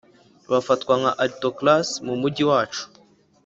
bafatwa nkaba aristocracy mumujyi wacu.